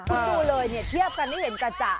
คุดดูเลยเทียบกันได้เห็นกับจะ